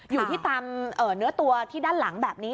อยู่ที่ตามเนื้อตัวที่ด้านหลังแบบนี้